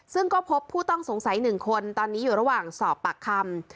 ซึ่งก็พบผู้ต้องสงสัย๑คนตอนนี้อยู่ระหว่างสอบปากคำ